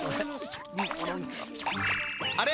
あれ？